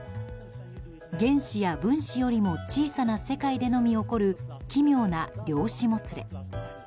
原子や分子よりも小さな世界でのみ起こる奇妙な量子もつれ。